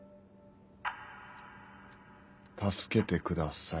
助けてください。